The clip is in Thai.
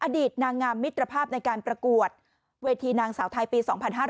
อดีตนางงามมิตรภาพในการประกวดเวทีนางสาวไทยปี๒๕๕๙